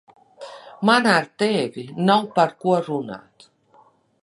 Man ar tevi nav par ko runāt.